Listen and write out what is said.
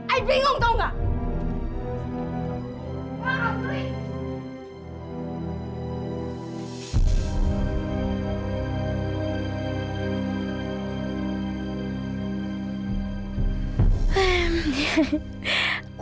ayah bingung tau gak